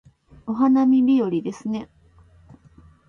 お花見日和ですね